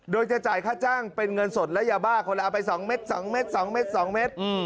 โดยจะจ่ายค่าจ้างเป็นเงินสดและยาบ้าคนละเอาไป๒เม็ด๒เม็ด๒เม็ด๒เมตร